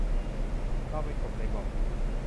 เราเป็นกบในบ่อ